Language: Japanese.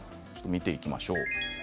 見ていきましょう。